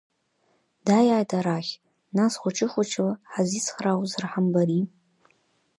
Дааиааит арахь, нас хәыҷы-хәыҷла ҳазицхраауазар ҳамбари.